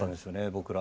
僕ら。